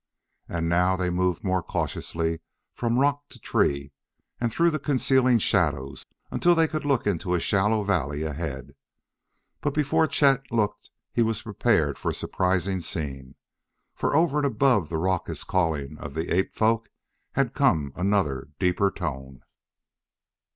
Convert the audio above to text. And now they moved more cautiously from rock to tree and through the concealing shadows until they could look into a shallow valley ahead. But before Chet looked he was prepared for a surprising scene. For over and above the raucous calling of the ape folk had come another deeper tone.